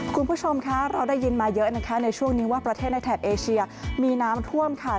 คุณผู้ชมคะเราได้ยินมาเยอะนะคะในช่วงนี้ว่าประเทศในแถบเอเชียมีน้ำท่วมค่ะ